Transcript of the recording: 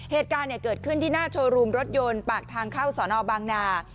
เหตุการณ์เกิดขึ้นที่หน้าโชว์รูมรถยนต์ปากทางเข้าสอนอบางนา